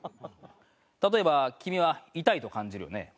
例えば君は痛いと感じるよね。